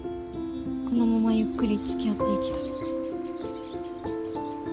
このままゆっくりつきあっていきたい。